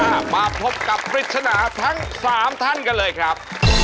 มาพบกับปริศนาทั้งสามท่านกันเลยครับ